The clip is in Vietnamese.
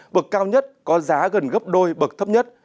bậc cao nhất có giá gần gấp đôi bậc thấp nhất